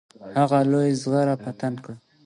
هغه لویه زغره په تن کړه.